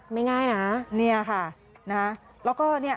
ไม่ง่ายนะนี่ค่ะนะฮะแล้วก็นี่